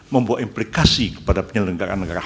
membuat implikasi kepada penyelenggaraan negara lain